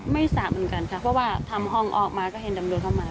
สระเหมือนกันค่ะเพราะว่าทำห้องออกมาก็เห็นตำรวจเข้ามา